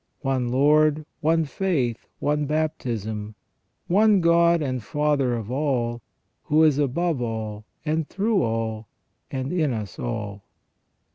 One Lord, one faith, one baptism, one God and Father of all, who is above all, and through all, and in us all."